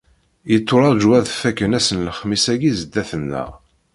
Yetturaǧu ad fakken ass n lexmis-agi sdat-neɣ.